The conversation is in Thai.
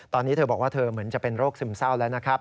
ตอนนี้เธอบอกว่าเธอเหมือนจะเป็นโรคซึมเศร้าแล้วนะครับ